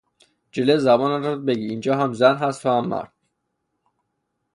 جلو زبانت را بگیر اینجا هم زن هست و هم مرد!